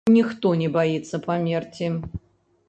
Ніхто не баіцца памерці.